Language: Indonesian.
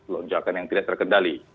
lonjakan yang tidak terkendali